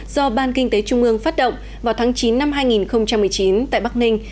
do ban kinh tế trung ương phát động vào tháng chín năm hai nghìn một mươi chín tại bắc ninh